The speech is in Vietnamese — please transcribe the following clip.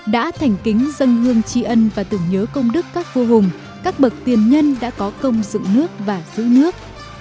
đã thành kính dân hương tri ân và tưởng nhớ công đức các vua hùng các bậc tiền nhân đã có công dựng nước và giữ nước